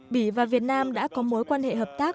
bỉ và việt nam đã có mối quan hệ hợp tác